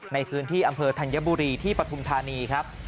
ในพื้นที่อำเภอธัญบุรีที่ปฐุมธานีครับ